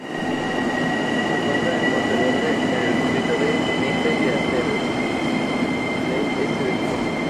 Se encuentra en Monte Verde, en el distrito de Nipe-Yateras del este de Cuba.